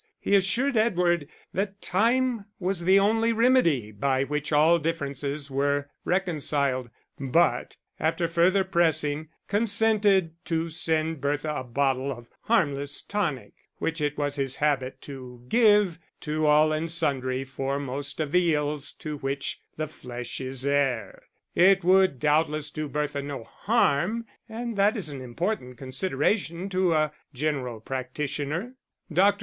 He assured Edward that time was the only remedy by which all differences were reconciled; but after further pressing consented to send Bertha a bottle of harmless tonic, which it was his habit to give to all and sundry for most of the ills to which the flesh is heir. It would doubtless do Bertha no harm, and that is an important consideration to a general practitioner. Dr.